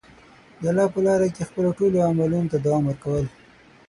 د الله په لاره کې خپلو ټولو عملونو ته دوام ورکول.